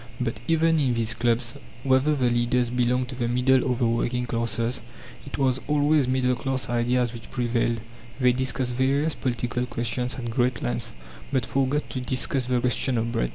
But even in these clubs, whether the leaders belonged to the middle or the working classes, it was always middle class ideas which prevailed. They discussed various political questions at great length, but forgot to discuss the question of bread.